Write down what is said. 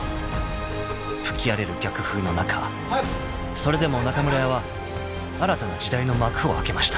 ［吹き荒れる逆風の中それでも中村屋は新たな時代の幕を開けました］